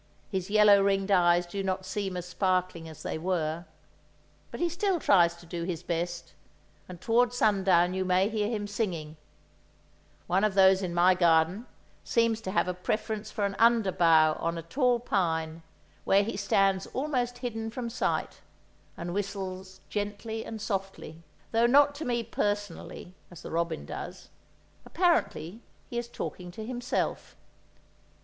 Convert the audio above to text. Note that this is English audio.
His yellow ringed eyes do not seem as sparkling as they were. But he still tries to do his best, and towards sundown you may hear him singing; one of those in my garden seems to have a preference for an underbough on a tall pine, where he stands almost hidden from sight, and whistles gently and softly—though not to me personally, as the robin does; apparently he is talking to himself.